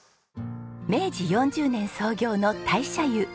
明治４０年創業の大社湯。